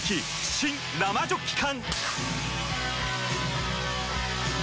新・生ジョッキ缶！